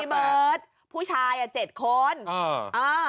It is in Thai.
พี่เบิร์ตพี่เบิร์ตผู้ชาย๗คนเออเออแต่